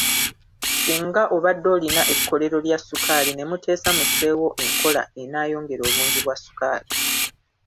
Singa obadde olina ekkolero lya ssukaali ne muteesa musseewo enkola enaayongera obungi bwa ssukaali.